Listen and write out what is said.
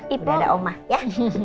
ipoh udah ada oma ya